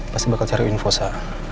pasti bakal cari info sa